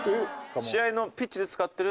試合のピッチで使ってる？